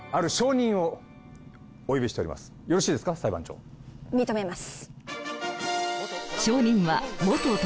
認めます。